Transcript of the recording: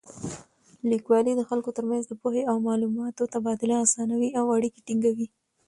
لیکوالی د خلکو تر منځ د پوهې او معلوماتو تبادله اسانوي او اړیکې ټینګوي.